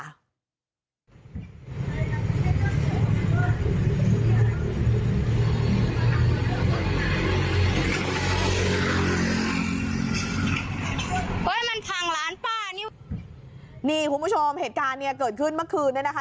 เฮ้ยมันพังร้านป้านี่คุณผู้ชมเหตุการณ์เนี่ยเกิดขึ้นเมื่อคืนเนี่ยนะคะ